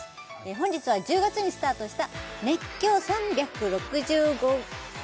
本日は１０月にスタートした「熱狂！